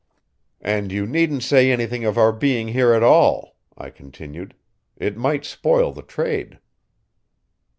"And you needn't say anything of our being here at all," I continued. "It might spoil the trade."